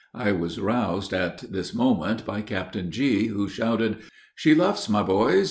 I was roused, at this moment, by Captain G., who shouted, "She luffs, my boys!